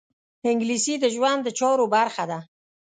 انګلیسي د ژوند د چارو برخه ده